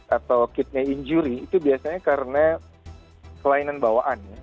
atau kidney injury itu biasanya karena kelainan bawaan ya